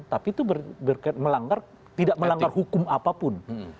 tapi itu melanggar tidak melanggar hukum apapun